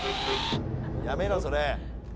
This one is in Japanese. やめろそれ。